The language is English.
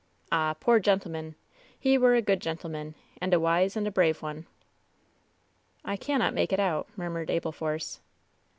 Ah, poor gentleman ! He were a good gentleman, and a wise and a brave one !" "I cannot make it out," murmured Abel Force.